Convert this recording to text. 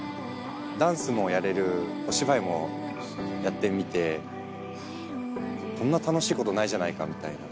ダンスもやれるお芝居もやってみてこんな楽しいことないじゃないかみたいな。